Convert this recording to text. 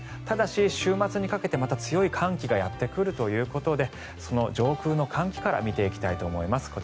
ただし週末にかけてまた強い寒気がやってくるということでその上空の寒気から見ていきたいと思います。